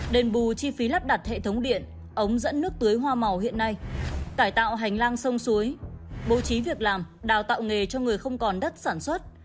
đền bù chi phí lắp đặt hệ thống điện ống dẫn nước tưới hoa màu hiện nay cải tạo hành lang sông suối bố trí việc làm đào tạo nghề cho người không còn đất sản xuất